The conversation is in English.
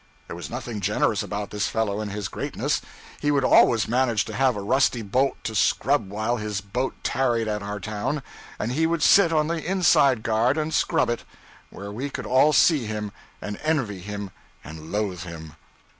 There was nothing generous about this fellow in his greatness. He would always manage to have a rusty bolt to scrub while his boat tarried at our town, and he would sit on the inside guard and scrub it, where we could all see him and envy him and loathe him.